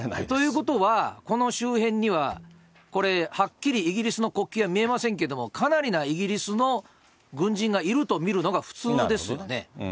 ということは、この周辺には、これ、はっきりイギリスの国旗は見えませんけれども、かなりなイギリスの軍人がいると見るのが普通ですよね。